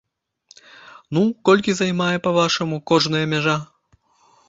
Ну, колькі займае, па-вашаму, кожная мяжа?